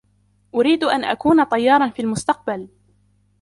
أريد أن أكون طيارا في المستقبل.